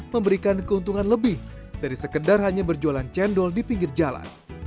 memberikan keuntungan lebih dari sekedar hanya berjualan cendol di pinggir jalan